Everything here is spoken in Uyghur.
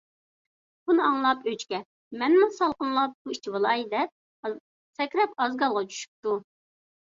بۇنى ئاڭلاپ ئۆچكە: «مەنمۇ سالقىنلاپ، سۇ ئىچىۋالاي» دەپ سەكرەپ ئازگالغا چۈشۈپتۇ.